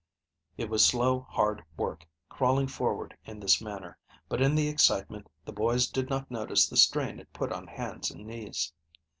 It was slow, hard work, crawling forward in this manner, but in the excitement the boys did not notice the strain it put on hands and knees.